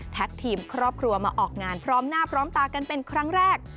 ทีมครอบครัวมาออกงานพร้อมหน้าพร้อมตากันเป็นครั้งแรก